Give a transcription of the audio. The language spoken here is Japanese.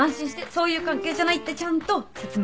そういう関係じゃないってちゃんと説明してあるから。